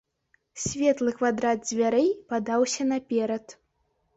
Светлы квадрат дзвярэй падаўся наперад.